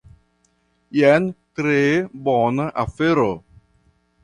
Jen tre bona afero.